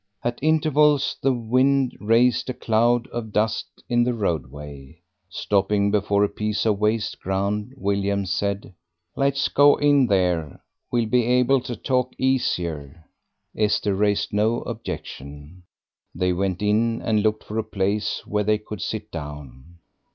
At intervals the wind raised a cloud of dust in the roadway. Stopping before a piece of waste ground, William said "Let's go in there; we'll be able to talk easier." Esther raised no objection. They went in and looked for a place where they could sit down.